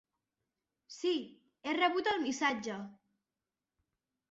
Sí, he rebut el missatge!